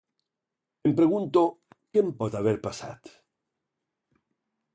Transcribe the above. Em pregunto què em pot haver passat?